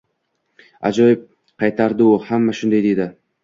Ajoyib, – qaytardi u, – hamma shunday deydi.